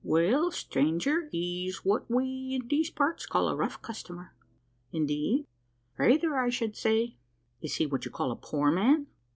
Well, stranger, he's what we, in these parts, call a rough customer." "Indeed?" "Rayther, I shed say." "Is he what you call a poor man?"